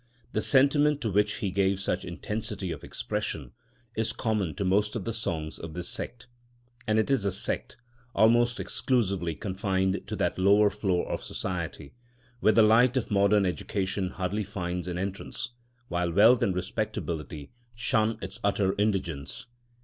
The sentiment, to which he gave such intensity of expression, is common to most of the songs of his sect. And it is a sect, almost exclusively confined to that lower floor of society, where the light of modern education hardly finds an entrance, while wealth and respectability shun its utter indigence.